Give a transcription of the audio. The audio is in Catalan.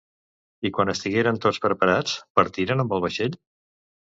I quan estigueren tots preparats, partiren amb el vaixell?